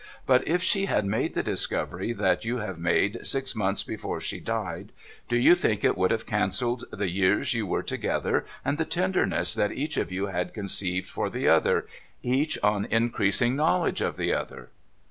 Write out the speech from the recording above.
But if she had made the discovery that you have made, six months before she died, do you think it would have cancelled the years you were together, and the tenderness that each of you had conceived for the other, each on increasing knowledge of the other